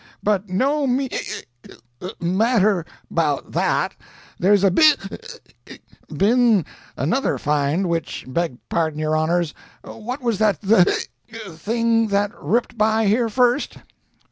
But no m(e uck!) matter 'bout that. There's b['ic !) been another find which beg pardon, your honors, what was that th['ic!) thing that ripped by here first?"